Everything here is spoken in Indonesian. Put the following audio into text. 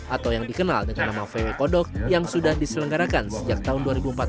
atau yang dikenal dengan nama vw kodok yang sudah diselenggarakan sejak tahun dua ribu empat belas